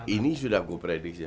ini sudah gue prediksi